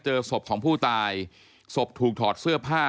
เจอศพของผู้ตายศพถูกถอดเสื้อผ้า